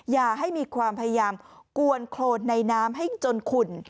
อย่าให้มีความพยายามกวนโครนในน้ำให้จนขุ่น